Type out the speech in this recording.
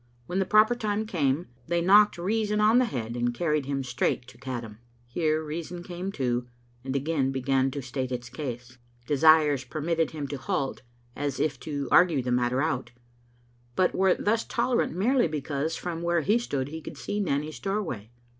When the proper time came they knocked reason on the head and carried him straight to Caddam. Here reason came to, and again began to state its case. Desires permitted him to halt, as if to argue the matter out, but were thus tolerant merely because from where he stood he could see Nanny's doorway.